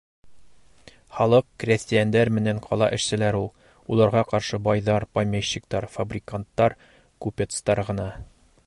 Халыҡ — крәҫтиәндәр менән ҡала эшселәре ул. Уларға ҡаршы байҙар, помещиктар, фабриканттар, купецтар ғына.